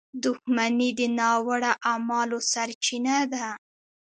• دښمني د ناوړه اعمالو سرچینه ده.